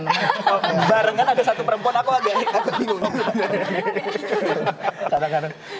kalau barengan ada satu perempuan aku agak bingung